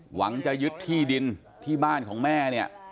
หวังจะยึดที่ดินที่บ้านของแม่เนี่ย